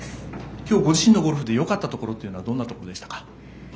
今日ご自身のゴルフでよかったところというのはどういうところでしたか？